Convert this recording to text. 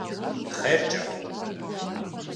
Хъеркӏэ!